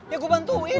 ya gue bantuin